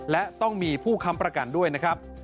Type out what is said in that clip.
และต้องมีผู้ค้ำประกันด้วยนะครับ